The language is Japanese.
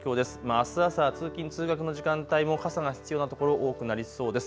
あす朝、通勤通学の時間帯も傘が必要な所、多くなりそうです。